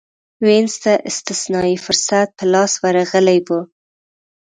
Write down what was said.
وینز ته استثنايي فرصت په لاس ورغلی و